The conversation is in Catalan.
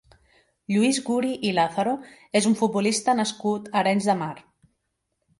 Lluís Guri i Lázaro és un futbolista nascut a Arenys de Mar.